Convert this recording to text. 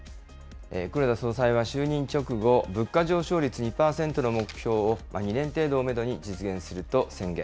黒田総裁は就任直後、物価上昇率２％の目標を２年程度をメドに実現すると宣言。